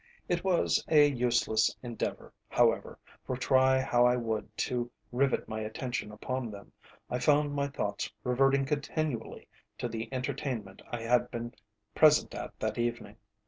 It was a useless endeavour, however, for try how I would to rivet my attention upon them, I found my thoughts reverting continually to the entertainment I had been present at that evening.